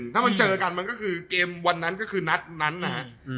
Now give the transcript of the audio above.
ถ้ามันเจอกันมันก็คือเกมวันนั้นก็คือนัดนั้นนะฮะ